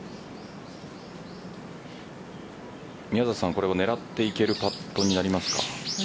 これを狙っていけるパットになりますか。